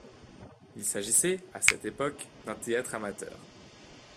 Il s'agissait, à cette époque d'un théâtre amateur.